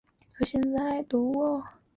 在沙漠之中的甘泉也被饮尽